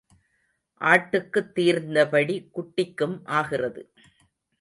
ஆட்டுக்குத் தீர்ந்தபடி குட்டிக்கும் ஆகிறது.